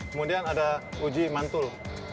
kemudian ada uji mantul